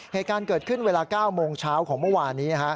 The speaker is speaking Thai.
เหตุการณ์เกิดขึ้นเวลา๙โมงเช้าของเมื่อวานนี้